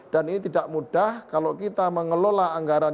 dan ini tidak mudah kalau kita mengelola anggaran